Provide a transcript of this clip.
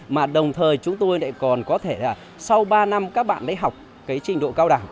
mà đồng thời chúng tôi còn có thể là sau ba năm các bạn ấy học trình độ cao đẳng